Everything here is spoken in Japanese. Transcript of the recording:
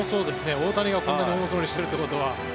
大谷がこれだけ重そうにしているということは。